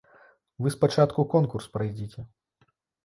Вы спачатку конкурс прайдзіце.